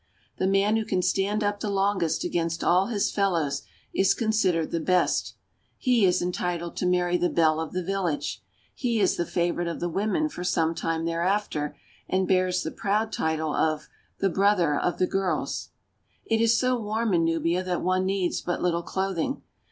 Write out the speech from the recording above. The man who can stand up the longest against all his fellows is considered the best. He is entitled to rii8 mart) womt of' marry the belle of the village; he is the favorite of the women for some time thereafter, and bears the proud title of " The brother of the girls." It is so warm in Nubia that one needs but little clothing.